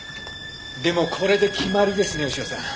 でもこれで決まりですね牛尾さん。